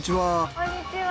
こんにちは。